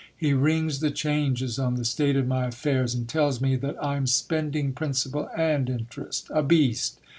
He rings the changes on the state of my affairs ; and tells me that I am spending principal and interest A beast